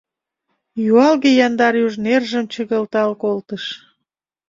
Юалге яндар юж нержым чыгылтал колтыш.